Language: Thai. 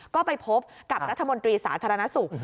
ก็ไปพบกับรัฐมนตรีสาธารณสุข